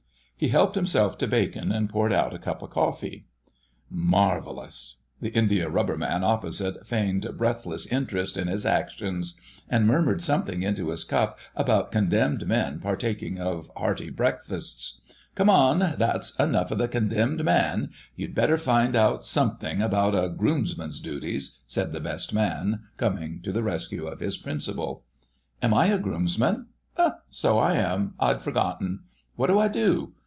He helped himself to bacon and poured out a cup of coffee. "Marvellous!" The Indiarubber Man opposite feigned breathless interest in his actions, and murmured something into his cup about condemned men partaking of hearty breakfasts. "Come on, that's enough of the 'Condemned man'! You'd better find out something about a Groomsman's duties," said the Best Man, coming to the rescue of his principal. "Am I a Groomsman? So I am—I'd forgotten. What do I do?